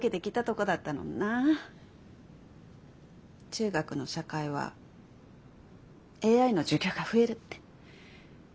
中学の社会はＡＩの授業が増えるって。